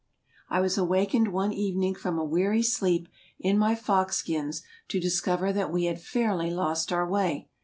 I was awakened one even ing from a weary sleep in my fox skins to discover that we had fairly lost our way.